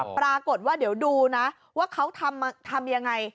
ปรากฏว่าเดี๋ยวดูนะว่าเขาทำยังไง